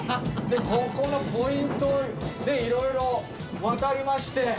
ここのポイントいろいろ渡りまして。